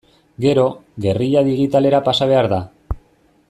Gero, gerrilla digitalera pasa behar da.